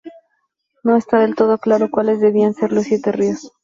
No está del todo claro cuales debían de ser los siete ríos.